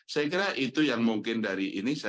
saya kira itu yang mungkin dari ini